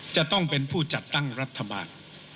จะต้องเป็นผู้จัดตั้งรัฐบาล